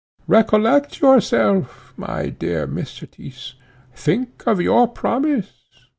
"Recollect yourself, my dear Mr. Tyss; think of your promise.